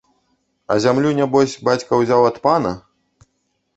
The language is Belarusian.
А зямлю, нябось, бацька ўзяў ад пана?